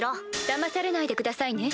だまされないでくださいね。